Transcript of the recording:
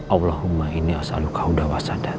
allahumma inni as'alukallahu